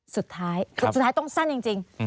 สุดท้ายต้องสั้นจริง